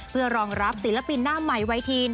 เพื่อรองรับศิลปินหน้าใหม่ไวทีน